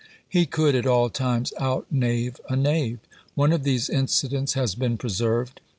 He could at all times out knave a knave. One of these incidents has been preserved.